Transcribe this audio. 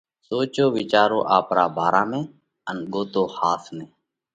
سوچو وِيچارو آپرا ڀارا ۾، ان ڳوتو ۿاس نئہ!